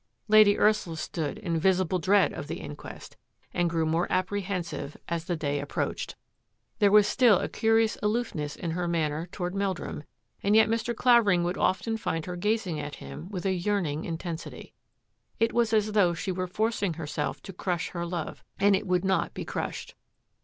Lady Ursula stood in visible dread of the in quest and grew more apprehensive as the day ap CROSS PURPOSES 167 proached. There was still a curious aloofness in her manner toward Meldrum, and yet Mr. Claver ing would often find her gazing at him with a yearn ing intensity. It was as though she were forcing herself to crush her love and it would not be crushed.